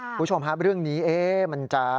คุณผู้ชมครับเรื่องนี้มันจะ